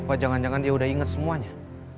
oh jangan jangan dia udah inget semuanya